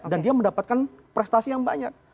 dan dia mendapatkan prestasi yang banyak